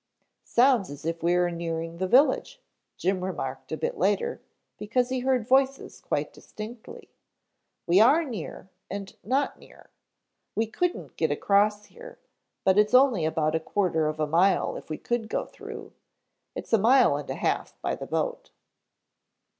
"Sounds as if we are nearing the village," Jim remarked a bit later, because he heard voices quite distinctly. "We are near, and not near. We couldn't get across here, but it's only about a quarter of a mile if we could go through. It's a mile and a half by the boat."